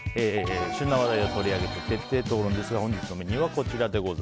旬な話題を取り上げて徹底討論ですが本日のメニューはこちら。